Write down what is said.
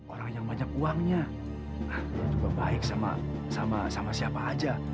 orang yang banyak uangnya juga baik sama siapa aja